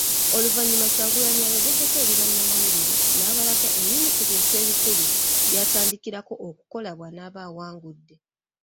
Oluvannyuma Kyagulanyi ayogeddeko eri bannamawulire n'abalaga ebimu ku bintu ebikulu by'atandikirako okukola bwanaaba awangudde.